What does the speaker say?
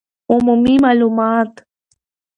عمومي معلومات